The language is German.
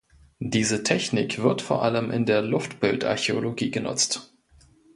Diese Technik wird vor allem in der Luftbildarchäologie genutzt.